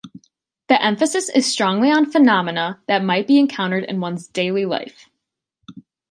The emphasis is strongly on phenomena that might be encountered in one's daily life.